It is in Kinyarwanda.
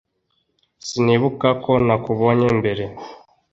Sinibuka ko nakubonye mbere